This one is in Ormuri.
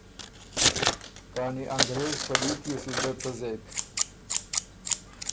کانی انګرېز پلیت يې سو دۀ څۀ زېک؟